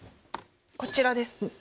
こちらです。